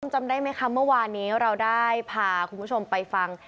จำได้ไหมคะเมื่อวานนี้เราได้พาคุณผู้ชมไปฟัง